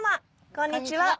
こんにちは。